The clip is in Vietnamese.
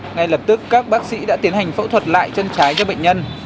ngay lập tức các bác sĩ đã tiến hành phẫu thuật lại chân trái cho bệnh nhân